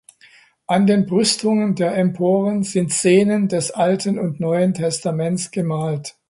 An den Brüstungen der Emporen sind Szenen des Alten und des Neuen Testaments gemalt.